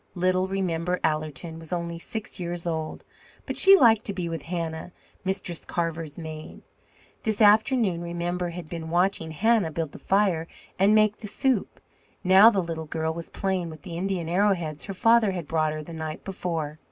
Little Remember Allerton was only six years old, but she liked to be with Hannah, Mistress Carver's maid. This afternoon Remember had been watching Hannah build the fire and make the soup. Now the little girl was playing with the Indian arrowheads her father had brought her the night before.